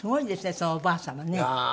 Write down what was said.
そのおばあ様ね。